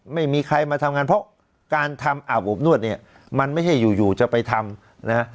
ไม่มีใครมาทำงานเพราะการทำอาบอบนวดเนี่ยมันไม่ใช่อยู่อยู่จะไปทำนะ